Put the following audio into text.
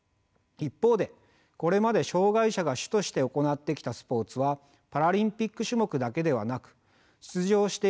一方でこれまで障害者が主として行ってきたスポーツはパラリンピック種目だけではなく出場している選手もより多様です。